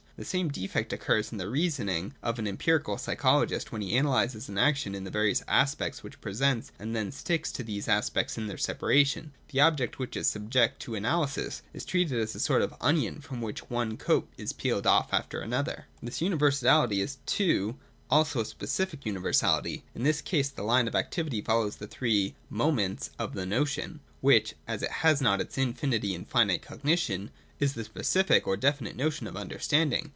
The same defect occurs in the reason ing of an empirical psychologist when he analyses an action into the various aspects which it presents, and then sticks to these aspects in their separation. The object which is subjected to analysis is treated as a sort of onion from which one coat is peeled off after another. 366 THE DOCTRINE OF THE NOTION. [228, 229. 228.J This universality is (2) also a specific univer sality. In this case the line of activity follows the three ' moments ' of the notion, which (as it has not its infinity in finite cognition) is the specific or definite notion of understanding.